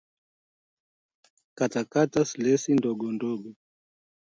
katakata slesi ndiogondogo